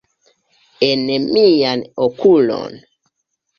En mian okulon!